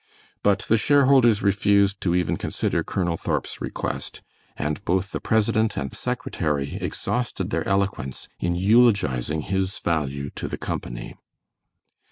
But the share holders refused to even consider Colonel Thorp's request, and both the president and secretary exhausted their eloquence in eulogizing his value to the company.